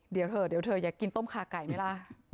เดี๋ยวเถอะอย่ากินต้มขาไก่ไหมล่ะ